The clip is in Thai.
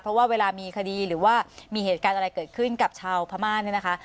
เพราะว่าเวลามีคดีหรือว่ามีเหตุการณ์อะไรเกิดขึ้นกับชาวพม่าเนี่ยนะคะ